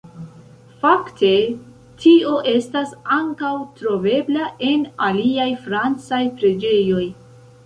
Fakte tio estas ankaŭ trovebla en aliaj francaj preĝejoj.